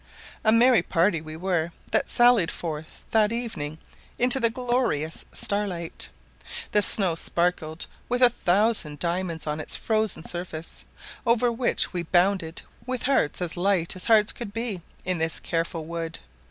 A merry party we were that sallied forth that evening into the glorious starlight; the snow sparkled with a thousand diamonds on its frozen surface, over which we bounded with hearts as light as hearts could be in this careful world.